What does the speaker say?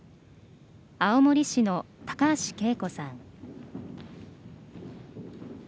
青森市の高橋圭子さん